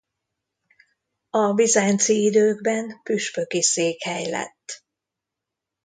A bizánci időkben püspöki székhely lett.